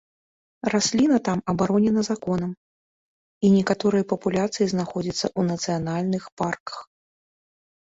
Расліна там абаронена законам, і некаторыя папуляцыі знаходзяцца ў нацыянальных парках.